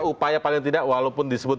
upaya paling tidak walaupun disebut